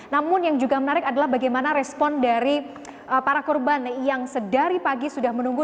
namun yang juga menarik adalah bagaimana respon dari para korban yang sedari pagi sudah menunggu